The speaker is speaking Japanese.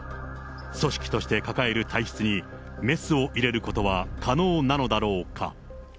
組織として抱える体質に、メスを入れることは可能なのだろうか。